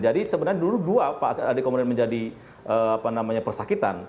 jadi sebenarnya dulu dua pak adhiko marudin menjadi apa namanya persakitan